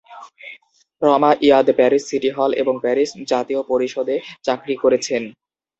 Rama Yade Paris City Hall এবং Paris জাতীয় পরিষদে চাকরি করেছেন।